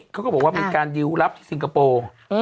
เขาก็บอกว่ามีออการริ้วรับในซิงกโปร์